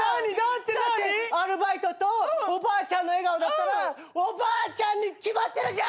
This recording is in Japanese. だってアルバイトとおばあちゃんの笑顔だったらおばあちゃんに決まってるじゃん！